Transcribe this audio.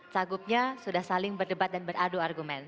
cagupnya sudah saling berdebat dan beradu argumen